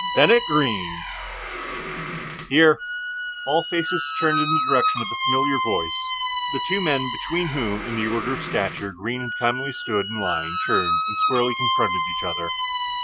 "Bennett Greene." "Here!" All faces turned in the direction of the familiar voice; the two men between whom in the order of stature Greene had commonly stood in line turned and squarely confronted each other.